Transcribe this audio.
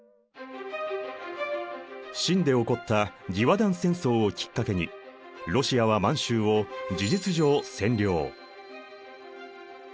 清で起こった義和団戦争をきっかけにロシアは満洲を事実上占領。